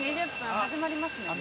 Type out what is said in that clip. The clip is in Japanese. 始まりますね。